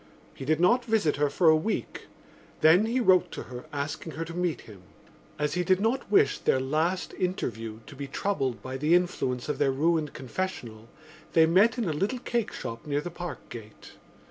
He did not visit her for a week, then he wrote to her asking her to meet him. As he did not wish their last interview to be troubled by the influence of their ruined confessional they met in a little cakeshop near the Parkgate.